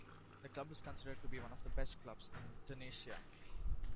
The club is considered to be one of the best clubs in Tunisia.